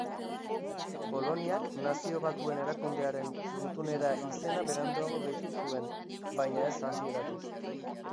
Poloniak Nazio Batuen Erakundearen gutunera izena beranduago gehitu zuen, baina ez hasieratik.